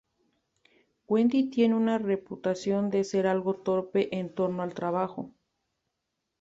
Wendy tiene una reputación de ser algo torpe en torno al trabajo.